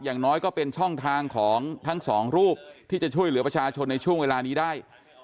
อย่างน้อยก็เป็นช่องทางของทั้งสองรูปที่จะช่วยเหลือประชาชนในช่วงเวลานี้ได้